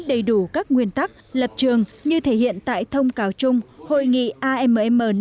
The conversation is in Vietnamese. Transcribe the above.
đầy đủ các nguyên tắc lập trường như thể hiện tại thông cáo chung hội nghị amm năm